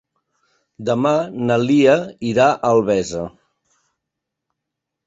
Demà na Lia irà a Albesa.